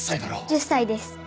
１０歳です。